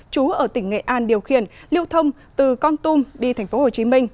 chú ở tỉnh nghệ an điều khiển lưu thông từ con tum đi tp hcm